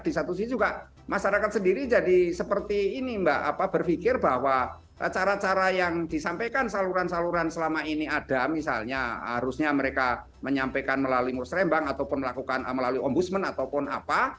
di satu sisi juga masyarakat sendiri jadi seperti ini mbak apa berpikir bahwa cara cara yang disampaikan saluran saluran selama ini ada misalnya harusnya mereka menyampaikan melalui musrembang ataupun melakukan melalui ombudsman ataupun apa